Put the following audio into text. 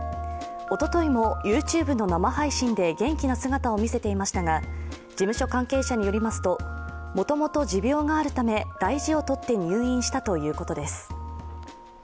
おとといもＹｏｕＴｕｂｅの生配信で元気な姿を見せていましたが、事務所関係者によりますともともと持病があるため大事をとって入院したということです。